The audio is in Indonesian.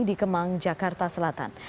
di kemang jakarta selatan